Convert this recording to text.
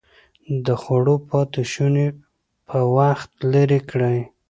د خوړو پاتې شوني په وخت لرې کړئ.